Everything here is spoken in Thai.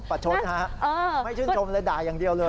ประชดฮะไม่ชื่นชมเลยด่าอย่างเดียวเลย